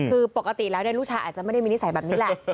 คือปกติแล้วลูกชายอาจจะไม่ได้มีนิสัยแบบนี้แหละ